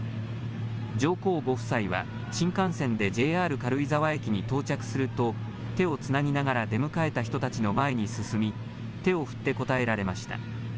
上皇ご夫妻は、新幹線でＪＲ軽井沢駅に到着すると、手をつなぎながら出迎えた人たちの前に進み、手を振って応えられました。